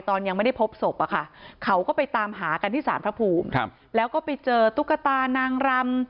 ยังไม่ได้พบศพอะค่ะเขาก็ไปตามหากันที่สารพระภูมิแล้วก็ไปเจอตุ๊กตานางรำ